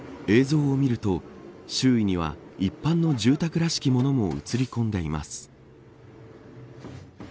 映像を見ると周囲には一般の住宅らしきものも映り込んでいます。